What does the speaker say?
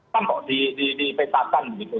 tampak dipetakan gitu